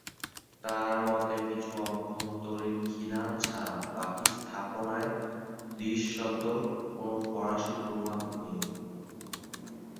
তার মতে কিছু অভ্যন্তরীন খিলান ছাড়া বাকী স্থাপনায় দৃশ্যত কোন ফরাসী প্রভাব নেই।